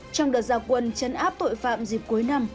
trong đợt giao quân chấn áp tội phạm dịp cuối năm